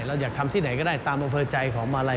เราอยากทำที่ไหนก็ได้ตามอภัยใจของอะไร